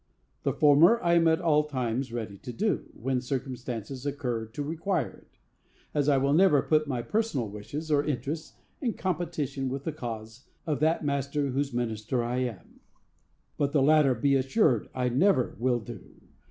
The former I am at all times ready to do, when circumstances occur to require it; as I will never put my personal wishes or interests in competition with the cause of that Master whose minister I am. But the latter, be assured. I NEVER will do.